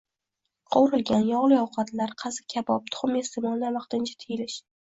Qovurilgan, yog‘li ovqatlar, qazi, kabob, tuxum iste’molidan vaqtincha tiyilish;